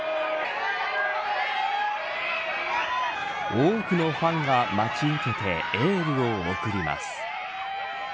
多くのファンが待ち受けてエールを送ります。